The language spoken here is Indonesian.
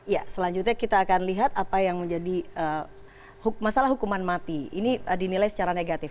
ya selanjutnya kita akan lihat apa yang menjadi masalah hukuman mati ini dinilai secara negatif